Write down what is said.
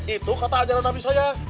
itu kata ajaran nabi saya